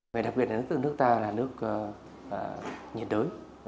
về đặc biệt nước nước ta là nước nhiệt đới